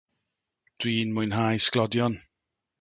Dw i'n mwynhau sglodion